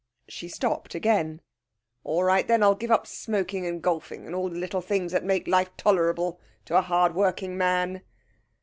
She stopped again. 'All right then; I'll give up smoking and golfing, and all the little things that make life tolerable to a hard working man.'